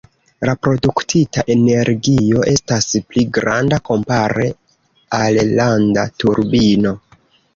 La produktita energio estas pli granda kompare al landa turbino.